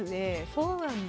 そうなんだ。